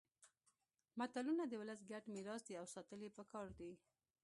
متلونه د ولس ګډ میراث دي او ساتل يې پکار دي